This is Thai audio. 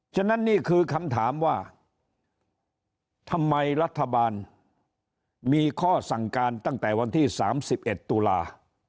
ฉะนั้นนี่คือคำถามว่าทำไมรัฐบาลมีข้อสั่งการตั้งแต่วันที่๓๑ตุลา